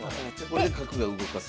これで角が動かせる。